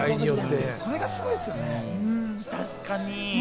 それがすごいですよね。